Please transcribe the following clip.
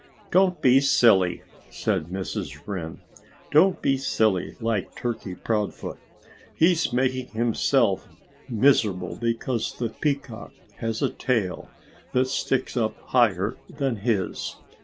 "Don't be silly!" said Mrs. Wren. "Don't be silly like Turkey Proudfoot. He's making himself miserable because the Peacock has a tail that sticks up higher than his.